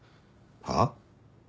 はっ？